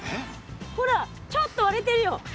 ほらちょっと割れてるよ。